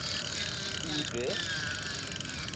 Үҙе?!